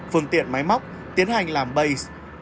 phương tiện máy móc tiến hành làm base